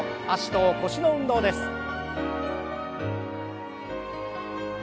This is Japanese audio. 脚と腰の運動です。